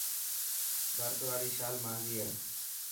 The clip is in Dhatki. ڀرت واري شال مهانگي هي.